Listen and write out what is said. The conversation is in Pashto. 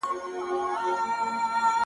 که سل کسه ووژنې